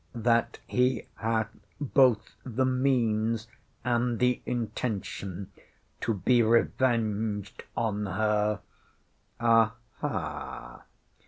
that he hath both the means and the intention to be revenged on her. Aha!